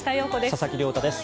佐々木亮太です。